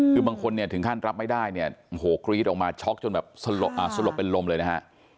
คือบางคนเนี่ยถึงขั้นรับไม่ได้เนี่ยโอ้โหกรี๊ดออกมาช็อกจนแบบสลบเป็นลมเลยนะฮะ